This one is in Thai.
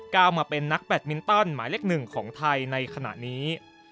ก้าวมาเป็นนักแบตมินตันหมายเลขหนึ่งของไทยในขณะนี้